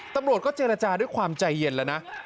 ตำรวจก็เจรจาด้วยความใจเย็นแล้วนะ